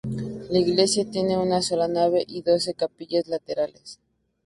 La iglesia tiene una sola nave y doce capillas laterales.